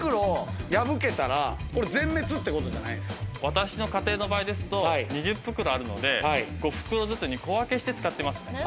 私の家庭ですと２０袋あるので、５袋ずつに小分けして使っています。